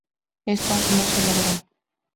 Esto no se logró.